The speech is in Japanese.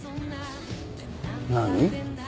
何？